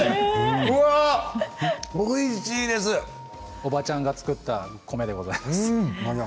おばちゃんが作った米でございます。